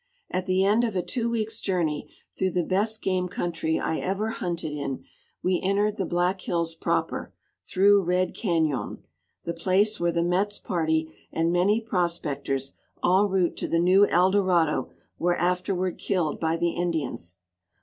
At the end of a two weeks' journey through the best game country I ever hunted in, we entered the Black Hills proper, through Red Cañon, the place where the Metz party and many prospectors en route to the new Eldorado were afterward killed by the Indians.